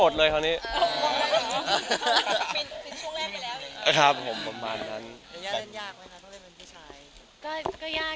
จะเล่นยากเลยคะถ้าเล่นเล่นผู้ชาย